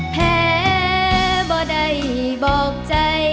แพ้บ่ได้บอกใจ